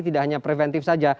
tidak hanya preventif saja